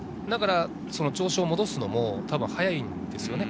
調子を戻すのも早いんですよね。